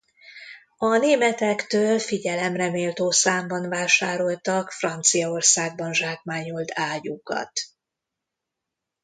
A németektől figyelemre méltó számban vásároltak Franciaországban zsákmányolt ágyúkat.